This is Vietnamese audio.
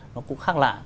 nó cũng khác lạ